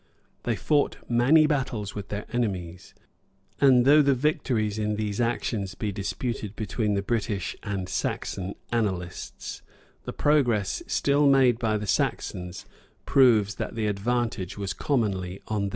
They fought many battles with their enemies; and though the victories in these actions be disputed between the British and Saxon annalists, the progress still made by the Saxons proves that the advantage was commonly on their side.